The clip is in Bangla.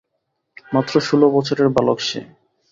মাত্র ষোল বছরের বালক সে।